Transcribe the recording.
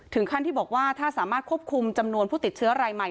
ถึงขั้นที่บอกว่าถ้าสามารถควบคุมจำนวนผู้ติดเชื้อรายใหม่